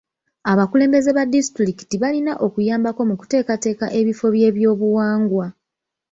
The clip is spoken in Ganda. Abakulembeze ba disitulikiti balina okuyambako mu kuteekateeka ebifo by'ebyobuwangwa.